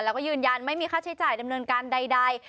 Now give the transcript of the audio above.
แล้วก็ยืนยันไม่มีค่าใช้จ่ายดำเนินการใด